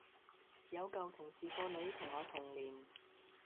有舊同事個女同我同年